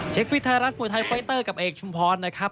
ปิดไทยรัฐมวยไทยไฟเตอร์กับเอกชุมพรนะครับ